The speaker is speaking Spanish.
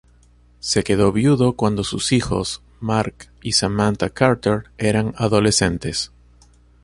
Se quedó viudo cuando sus hijos, Mark y Samantha Carter eran adolescentes.